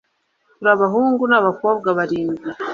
“turi abahungu n'abakobwa barindwi;